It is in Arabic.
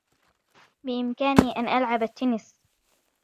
بإمكاني أن ألعب التنس.